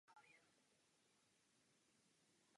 Kniha je částečně autobiografická.